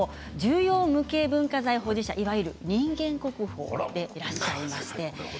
重要無形文化財保持者、いわゆる人間国宝でいらっしゃいます。